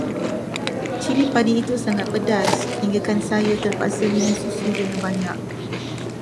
Cili padi itu sangat pedas, hinggakan saya terpaksa minum susu dengan banyak.